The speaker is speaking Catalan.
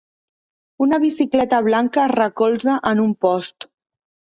Una bicicleta blanca es recolza en un post.